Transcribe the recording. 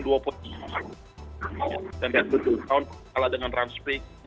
dan di round dua dua kalah dengan ranspey